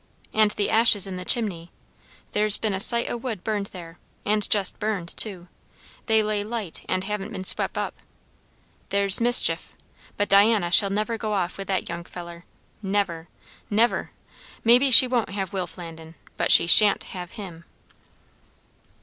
And the ashes in the chimney! There's been a sight o' wood burned there, and just burned, too; they lay light, and hadn't been swep' up. There's mischief! but Diana never shall go off with that young feller; never; never! Maybe she won't have Will Flandin; but she sha'n't have him."